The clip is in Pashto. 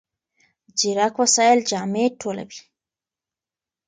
ځیرک وسایل جامې ټولوي.